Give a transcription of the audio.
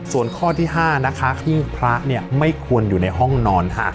ส่วนข้อที่๕นะคะที่พระไม่ควรอยู่ในห้องนอนค่ะ